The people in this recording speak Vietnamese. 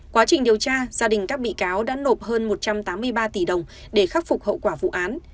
quá trình điều tra gia đình các bị cáo đã nộp hơn một trăm tám mươi ba tỷ đồng để khắc phục hậu quả vụ án